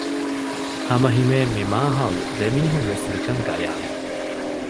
ހަމަހިމޭން މި މާހައުލު ދެމީހުންވެސް ނިކަން ގަޔާވި